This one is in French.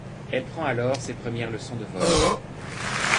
Elle prend alors ses premières leçons de vol.